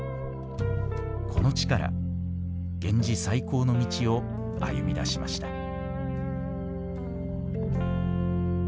この地から源氏再興の道を歩みだしました。